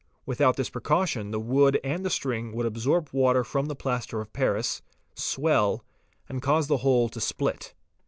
Without this precaution the wood and the string would absorb water from the plaster of paris, swell, and cause the whole to split.